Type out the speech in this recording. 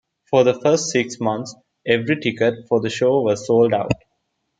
For the first six months, every ticket for the show was sold out.